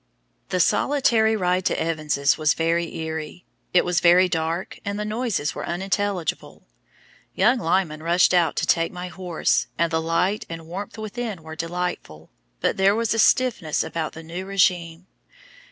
The solitary ride to Evans's was very eerie. It was very dark, and the noises were unintelligible. Young Lyman rushed out to take my horse, and the light and warmth within were delightful, but there was a stiffness about the new regime.